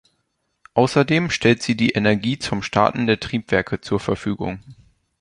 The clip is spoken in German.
Außerdem stellt sie die Energie zum Starten der Triebwerke zur Verfügung.